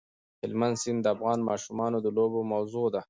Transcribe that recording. هلمند سیند د افغان ماشومانو د لوبو موضوع ده.